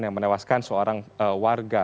yang menewaskan seorang warga